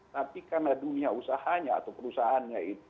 tapi karena dunia usahanya atau perusahaannya itu